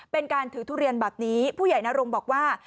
เป็นการถือทุเรียนแบบนี้ผู้ใหญ่นรงบอกว่า